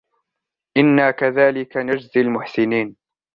إنا كذلك نجزي المحسنين